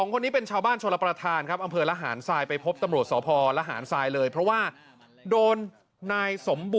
๒คนนี้เป็นชาวบ้านชนประทานครับอำเภอละหารทราย